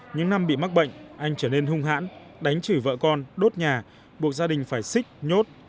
những năm bị mắc bệnh anh trở nên hung hãn đánh chửi vợ con đốt nhà buộc gia đình phải xích nhốt